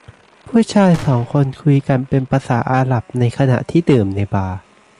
ผู้ชายสองคนคุยกันเป็นภาษาอาหรับในขณะที่ดื่มในบาร์